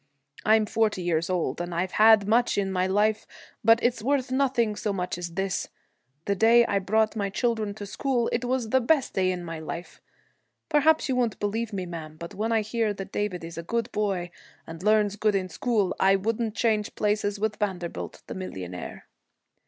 I'm forty years old, and I've had much in my life, but it's worth nothing so much as this. The day I brought my children to school, it was the best day in my life. Perhaps you won't believe me, ma'am, but when I hear that David is a good boy and learns good in school, I wouldn't change places with Vanderbilt the millionaire.'